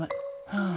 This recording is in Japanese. はあ。